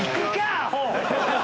アホ！